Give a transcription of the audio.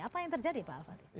apa yang terjadi pak al fatih